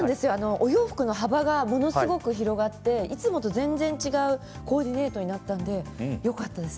お洋服の幅がものすごく広がっていつもと全然違うコーディネートになったそうで、よかったです。